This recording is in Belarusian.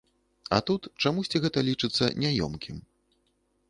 А тут чамусьці гэта лічыцца няёмкім.